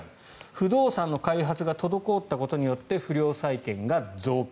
不動産の開発が滞ったことで不良債権が増加。